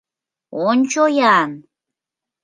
Ончо-ян!